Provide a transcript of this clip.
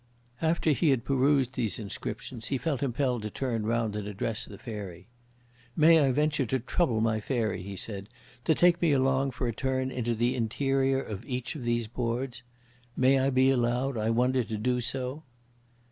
After he had perused these inscriptions, he felt impelled to turn round and address the Fairy. "May I venture to trouble my Fairy," he said, "to take me along for a turn into the interior of each of these Boards? May I be allowed, I wonder, to do so?"